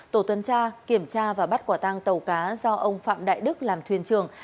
tổ tuần tra kiểm tra và bắt quả tăng tàu cá do ông phạm đại đức làm thuyền trường